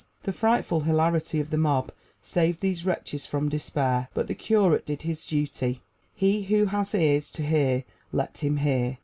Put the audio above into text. The frightful hilarity of the mob saved these wretches from despair. But the curate did his duty: he who has ears to hear let him hear.